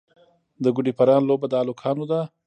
د ګوډي پران لوبه د هلکانو ده.